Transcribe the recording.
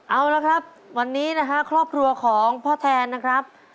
เอาละครับวันนี้นะฮะครอบครัวของพ่อแทนนะครับ